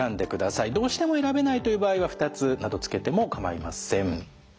どうしても選べないという場合は２つなどつけても構いません。